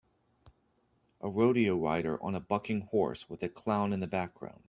A rodeo rider on a bucking horse with a clown in the background.